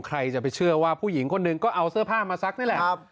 ใครจะไปเชื่อว่าผู้หญิงคนหนึ่งก็เอาเสื้อผ้ามาซักนี่แหละ